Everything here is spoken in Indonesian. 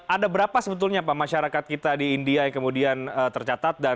ada berapa sebetulnya pak masyarakat kita di india yang kemudian tercatat